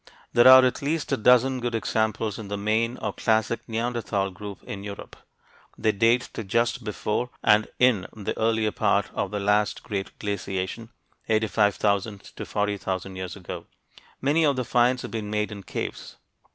There are at least a dozen good examples in the main or classic Neanderthal group in Europe. They date to just before and in the earlier part of the last great glaciation (85,000 to 40,000 years ago). Many of the finds have been made in caves.